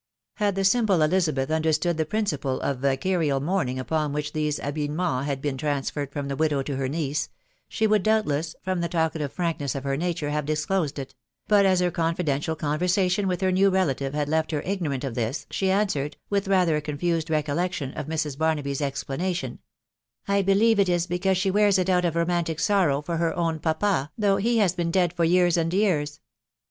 " Had the simple Elizabeth understood the principle of ft carial mourning upon which these habiliments had been traav ferred from the widow to her niece, she would rtmilnVas, torn the talkative frankness of her nature, hare dffrlnmd it; 1st as her confidential conTersation with her new relative had let her ignorant of this, she answered, with rather a contend recollection of Mrs. Barnaby*s explanation, I bdic'tw it ii became she wears it out of romantic sorrow for her own pan, though he has been dead for years and years.'